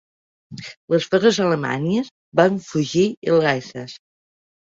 Les forces alemanyes van fugir il·leses.